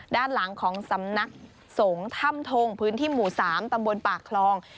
ด้านหลังของสำนักสงฆ์ถ้ำทงพื้นที่หมู่๓ตำบลปากคลอง